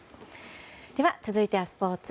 では続いてはスポーツ。